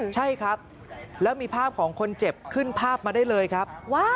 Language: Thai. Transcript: ใช่ครับแล้วมีภาพของคนเจ็บขึ้นภาพมาได้เลยครับ